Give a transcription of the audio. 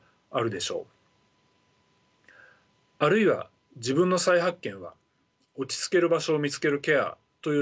あるいは自分の再発見は落ち着ける場所を見つけるケアという姿をとることもあります。